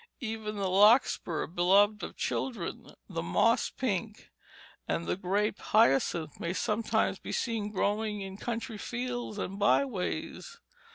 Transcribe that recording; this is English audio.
Even the larkspur, beloved of children, the moss pink, and the grape hyacinth may sometimes be seen growing in country fields and byways.